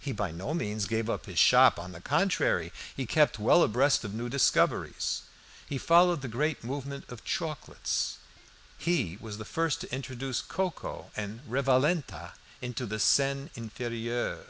He by no means gave up his shop. On the contrary, he kept well abreast of new discoveries. He followed the great movement of chocolates; he was the first to introduce "cocoa" and "revalenta" into the Seine Inferieure.